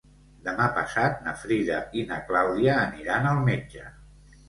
Demà passat na Frida i na Clàudia aniran al metge.